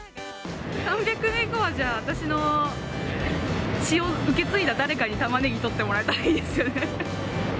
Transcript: ３００年後はじゃあ、私の血を受け継いだ誰かにタマネギ撮ってもらえたらいいですよね。